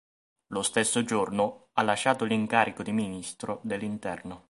Lo stesso giorno ha lasciato l'incarico di ministro dell'interno.